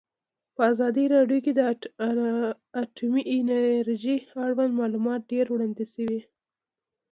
په ازادي راډیو کې د اټومي انرژي اړوند معلومات ډېر وړاندې شوي.